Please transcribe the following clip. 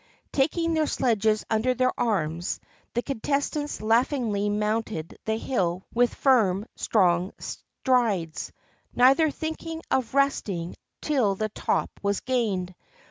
Taking their sledges under their arms, the contest ants laughingly mounted the hill with firm, strong strides, neither thinking of resting until the top was gained.